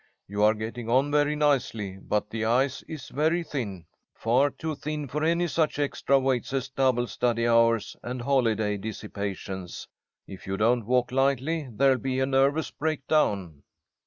You are getting on very nicely, but the ice is very thin, far too thin for any such extra weights as double study hours and holiday dissipations. If you don't walk lightly, there'll be a nervous breakdown."